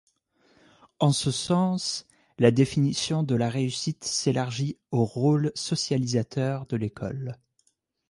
En ce sens, la définition de la réussite s’élargit au rôle socialisateur de l’école.